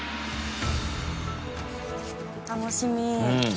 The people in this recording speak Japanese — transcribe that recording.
楽しみ。